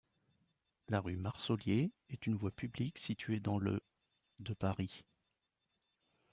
La rue Marsollier est une voie publique située dans le de Paris.